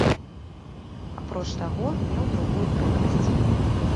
Апроч таго, меў другую прыкрасць.